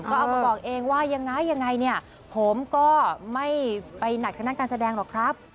ก็เอามาบอกเองว่ายังไงผมก็ไม่ไปหนัดขนาดการแสดงหรอกครับ